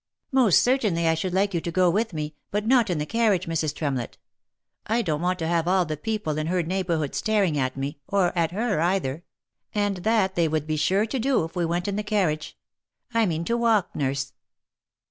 " Most certainly I should like you to go with me, but not in the carriage, Mrs. Tremlett. I don't want to have all the people in her neighbourhood staring at me, or at her either ; and that they would be sure to do if we went in the carriage. I mean to walk, nurse."